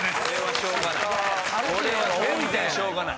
これはしょうがない。